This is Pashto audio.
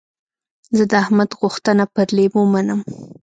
زه د احمد غوښتنه پر لېمو منم.